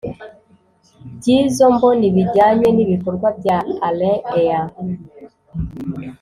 by izo mboni bijyanye n ibikorwa bya arin ea